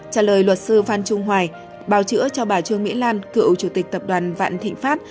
trả lời luật sư phan trung hoài báo chữa cho bà trương mỹ lan cựu chủ tịch tập đoàn vạn thịnh pháp